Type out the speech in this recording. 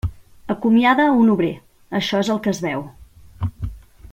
Acomiada un obrer; això és el que es veu.